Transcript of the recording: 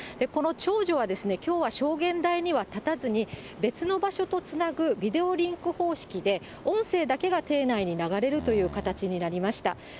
この長女は、きょうは証言台には立たずに、別の場所とつなぐビデオリンク方式で音声だけが廷内に流れるという形になりました。